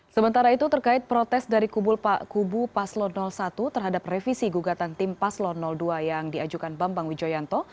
sementara itu terkait protes dari kubu paslo satu terhadap revisi gugatan tim paslo dua yang diajukan bambang wijoyanto